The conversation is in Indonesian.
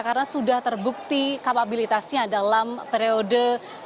karena sudah terbukti kapabilitasnya dalam periode dua ribu empat belas dua ribu sembilan belas